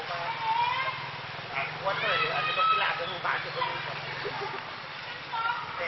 แกะละ